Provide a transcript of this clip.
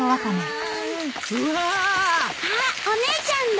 あっお姉ちゃんだ。